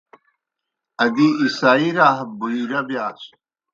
دی عیسائی راہب بحیریٰ بِیاسوْ۔